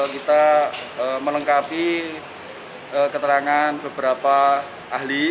kita melengkapi keterangan beberapa ahli